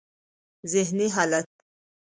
ذهني حالت: